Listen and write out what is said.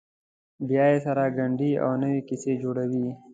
بیا یې سره ګنډي او نوې کیسې جوړوي.